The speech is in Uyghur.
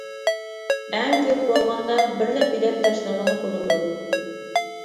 ئەڭ كۆپ بولغاندا بىرلا بېلەت تاشلىغىلى بولىدۇ!